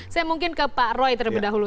saya mungkin ke pak roy terlebih dahulu